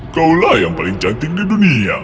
kau lah yang paling cantik di dunia